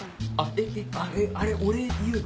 えあれ俺言うの？